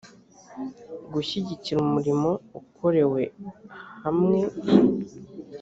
gushyigikira umurimo ukorewe hamwei